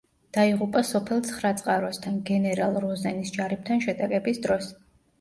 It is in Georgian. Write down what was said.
დაიღუპა სოფელ ცხრაწყაროსთან გენერალ როზენის ჯარებთან შეტაკების დროს.